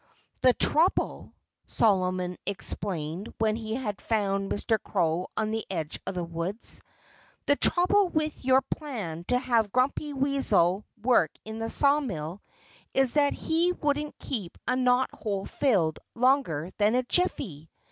"The trouble " Solomon explained when he had found Mr. Crow on the edge of the woods "the trouble with your plan to have Grumpy Weasel work in the sawmill is that he wouldn't keep a knot hole filled longer than a jiffy.